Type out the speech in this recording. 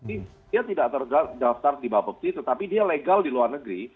dia tidak terdaftar di babakti tetapi dia legal di luar negeri